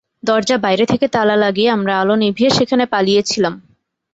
দরজা বাইরে থেকে তালা লাগিয়ে আমরা আলো নিভিয়ে সেখানে পালিয়ে ছিলাম।